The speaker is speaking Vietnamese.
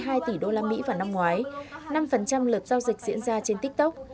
với tỷ đô la mỹ vào năm ngoái năm lượt giao dịch diễn ra trên tiktok